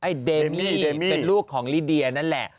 เอ้อเดมี่เป็นลูกของริเดียแหล่ะ